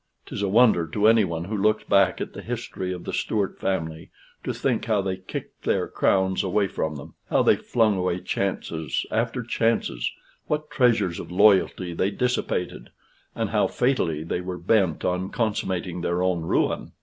'Tis a wonder to any one who looks back at the history of the Stuart family to think how they kicked their crowns away from them; how they flung away chances after chances; what treasures of loyalty they dissipated, and how fatally they were bent on consummating their own ruin.